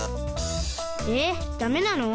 えダメなの？